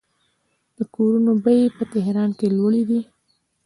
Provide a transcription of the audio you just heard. د کورونو بیې په تهران کې لوړې دي.